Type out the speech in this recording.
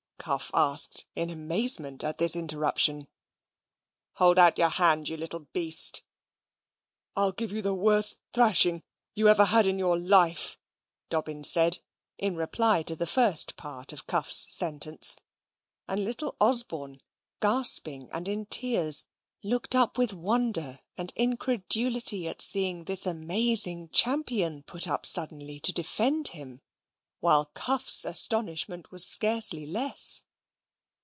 Cuff asked in amazement at this interruption. "Hold out your hand, you little beast." "I'll give you the worst thrashing you ever had in your life," Dobbin said, in reply to the first part of Cuff's sentence; and little Osborne, gasping and in tears, looked up with wonder and incredulity at seeing this amazing champion put up suddenly to defend him: while Cuff's astonishment was scarcely less.